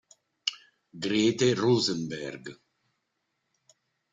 Grete Rosenberg